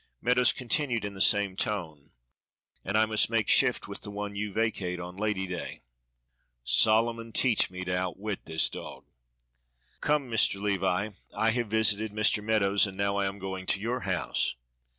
Meadows continued in the same tone, "And I must make shift with the one you vacate on Lady day." "Solomon teach me to outwit this dog." "Come, Mr. Levi, I have visited Mr. Meadows and now I am going to your house."